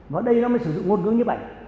và đây nó mới sử dụng ngôn ngữ như vậy